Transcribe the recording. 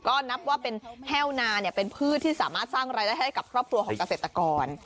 ก็นับว่าเป็นแห้วนาเป็นพืชที่สามารถสร้างรายได้ให้กับครอบครัวของเกษตรกร